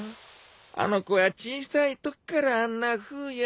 あの子は小さいときからあんなふうや。